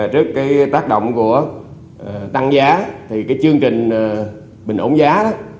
trước cái tác động của tăng giá thì cái chương trình bình ổn giá